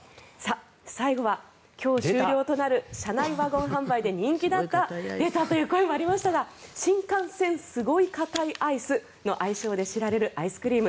最後は今日終了となる車内ワゴン販売で人気だった出たという声もありましたがシンカンセンスゴイカタイアイスの愛称で知られるアイスクリーム。